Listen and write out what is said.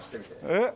えっ？